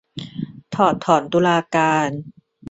ถอดถอนตุลาการ ?